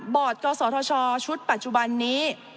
บอร์ดกศชชุดปัจจุบันนี้